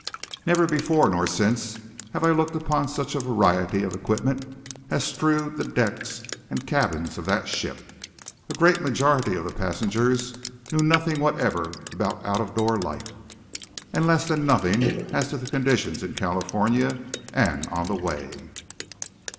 Never before nor since have I looked upon such a variety of equipment as strewed the decks and cabins of that ship. A great majority of the passengers knew nothing whatever about out of door life, and less than nothing as to the conditions in California and on the way.